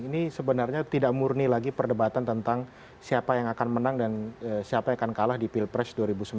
ini sebenarnya tidak murni lagi perdebatan tentang siapa yang akan menang dan siapa yang akan kalah di pilpres dua ribu sembilan belas